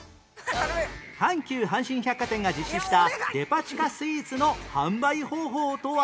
阪急阪神百貨店が実施したデパ地下スイーツの販売方法とは？